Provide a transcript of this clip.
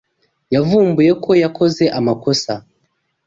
Yavumbuye ko yakoze amakosa.